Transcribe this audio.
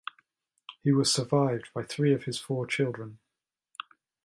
He was survived by three of his four children.